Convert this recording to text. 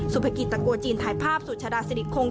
สุภกิจตะโกจีนถ่ายภาพสุชาดาสิริคง